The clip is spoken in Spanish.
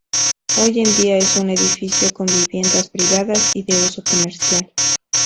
Hoy en día es un edificio con viviendas privadas y de uso comercial.